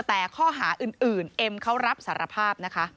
แต่ข้อหาอื่นเอ็มเขารับสารภาพนะคะ